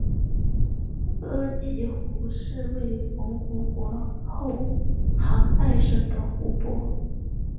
额吉湖是位于蒙古国后杭爱省的湖泊。